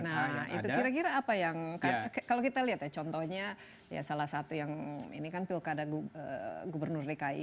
nah itu kira kira apa yang kalau kita lihat ya contohnya ya salah satu yang ini kan pilkada gubernur dki